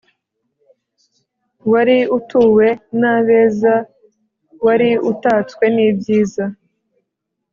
wari utuwe n'abeza wari utatswe n'ibyizi